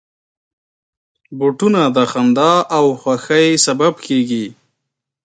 بوټونه د خندا او خوښۍ سبب کېږي.